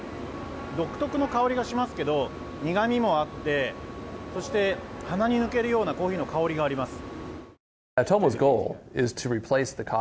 独特の香りがしますけど苦味もあってそして鼻に抜けるようなコーヒーの香りがあります。